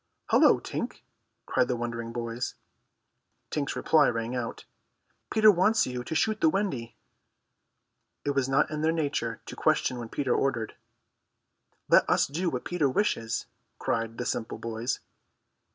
"Hullo, Tink," cried the wondering boys. Tink's reply rang out: "Peter wants you to shoot the Wendy." It was not in their nature to question when Peter ordered. "Let us do what Peter wishes!" cried the simple boys.